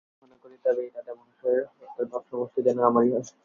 যদি কখনাে করি, তবে এই দাদা মহাশয়ের হত্যার পাপ সমস্ত যেন আমারই হয়?